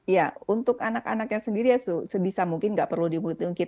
ya untuk anak anaknya sendiri sebisa mungkin nggak perlu diungkit ungkit